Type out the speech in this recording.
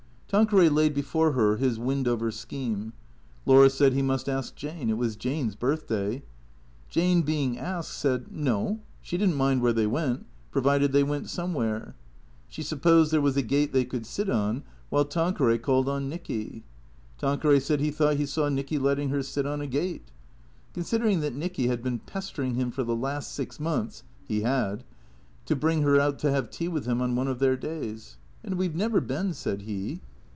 Tanqueray laid before her his Wendover scheme. Laura said he must ask Jane. It was Jane's birthday. Jane, being asked, said, No, she did n't mind where they went, provided they went somewhere. She supposed there was a gate they could sit on, while Tanqueray called on Nicky. Tanqueray said he thought he saw Nicky letting her sit on a gate. Considering that Nicky had been pestering him for the last six months (he had) to bring her out to have tea with him on one of their days. " And we 've never been," said he.